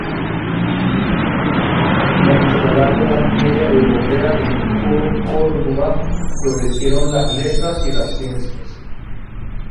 Durante la larga Edad Media europea, en Corduba florecieron las letras y las ciencias.